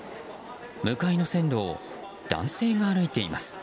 向かいの線路を男性が歩いています。